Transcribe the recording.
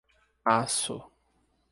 Assu